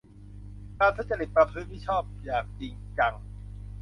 การทุจริตประพฤติมิชอบอย่างจริงจัง